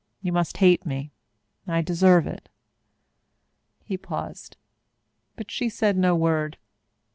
You must hate me. I deserve it." He paused, but she said no word.